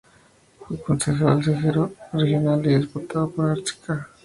Fue concejal, consejero regional y diputado por Arica.